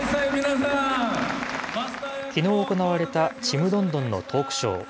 きのう行われたちむどんどんのトークショー。